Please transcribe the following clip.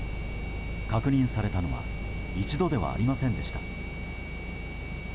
確認されたのは一度ではありませんでした。